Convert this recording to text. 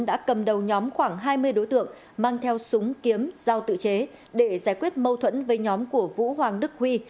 đã cầm đầu nhóm khoảng hai mươi đối tượng mang theo súng kiếm giao tự chế để giải quyết mâu thuẫn với nhóm của vũ hoàng đức huy